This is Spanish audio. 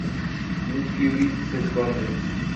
Nick Fury se esconde.